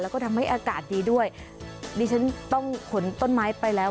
แล้วก็ทำให้อากาศดีด้วยดิฉันต้องขนต้นไม้ไปแล้ว